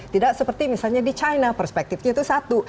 tidak seperti misalnya di china perspektifnya itu satu